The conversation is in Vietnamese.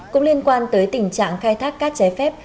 cũng liên quan tới tình trạng khai thác cát trái phép